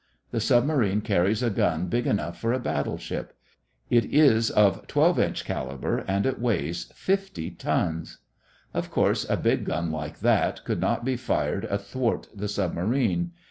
This submarine carries a gun big enough for a battle ship. It is of 12 inch caliber and weighs 50 tons. Of course a big gun like that could not be fired athwart the submarine.